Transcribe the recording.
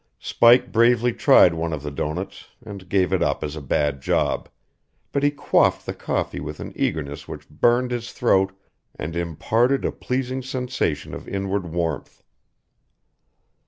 Spike bravely tried one of the doughnuts and gave it up as a bad job, but he quaffed the coffee with an eagerness which burned his throat and imparted a pleasing sensation of inward warmth.